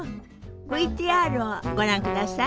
ＶＴＲをご覧ください。